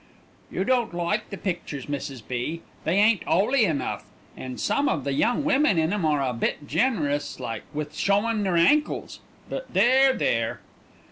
"You don't like the pictures, Mrs. B., they ain't 'oly enough, an' some of the young women in 'em are a bit generous like with showin' their ankles but there, there!"